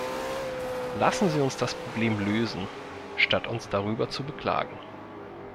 Lassen Sie uns das Problem lösen, statt uns darüber zu beklagen.